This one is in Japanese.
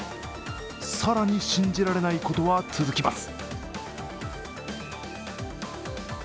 更に信じられないことは続きます。